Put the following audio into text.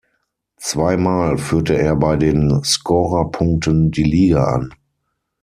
Zweimal führte er bei den Scorerpunkten die Liga an.